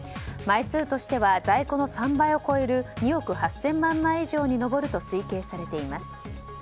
枚数としては在庫の３倍を超える２億８０００万枚以上に上ると推計されています。